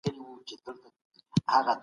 زدهکوونکي د ښوونځي له زدهکړو زده کړه کوي.